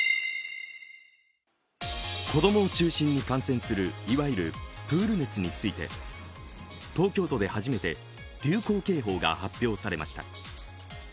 子供を中心に感染するいわゆるプール熱について、東京都で初めて流行警報が発表されました。